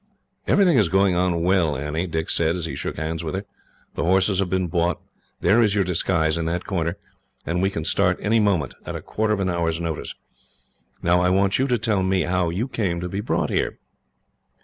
"Everything is going on well, Annie," Dick said, as he shook hands with her. "The horses have been bought. There is your disguise in that corner, and we can start any moment, at a quarter of an hour's notice. "Now, I want you to tell me how you came to be brought up here."